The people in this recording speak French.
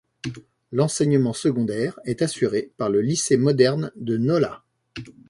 L'enseignement secondaire est assuré par le lycée moderne de Nola.